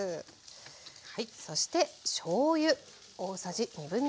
そしてしょうゆ。